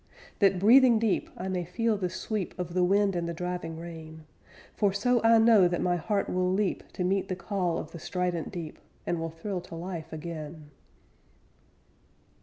That, breathing deep, I may feel the sweep Of the wind and the driving rain. For so I know that my heart will leap To meet the call of the strident deep, And will thrill to life again.